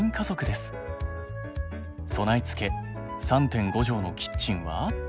備え付け３．５畳のキッチンは。